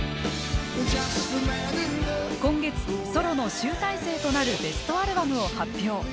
今月ソロの集大成となるベストアルバムを発表。